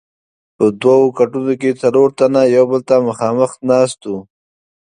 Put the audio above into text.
په دوو کټونو کې څلور تنه یو بل ته مخامخ ناست وو.